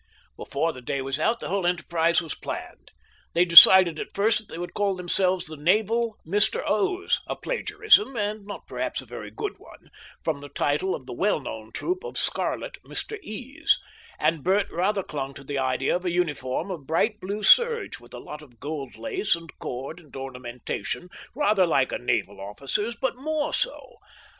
Before the day was out the whole enterprise was planned. They decided at first that they would call themselves the Naval Mr. O's, a plagiarism, and not perhaps a very good one, from the title of the well known troupe of "Scarlet Mr. E's," and Bert rather clung to the idea of a uniform of bright blue serge, with a lot of gold lace and cord and ornamentation, rather like a naval officer's, but more so.